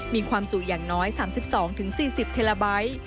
มีความจุอย่างน้อย๓๒๔๐เทลาไบท์